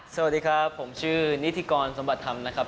สวัสดีครับผมชื่อนิติกรสมบัติธรรมนะครับ